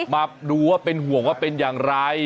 มาดูว่าเป็นห่วงว่าเป็นอย่างไร